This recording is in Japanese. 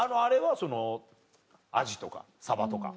そのアジとかサバとか。